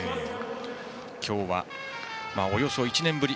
今日は、およそ１年ぶり。